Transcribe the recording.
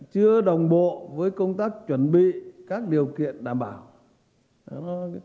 chưa đồng bộ với công tác chuẩn bị các điều kiện đảm bảo